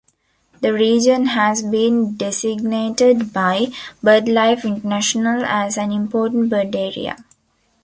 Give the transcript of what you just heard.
The region has been designated by Birdlife International as an Important Bird Area.